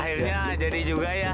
akhirnya jadi juga ya